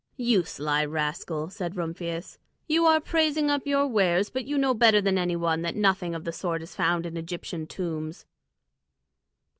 "You sly rascal!" said Rumphius, "you are praising up your wares, but you know better than any one that nothing of the sort is found in Egyptian tombs."